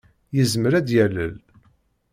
Yezmer ad d-yalel.